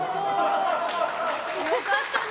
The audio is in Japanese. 良かったね。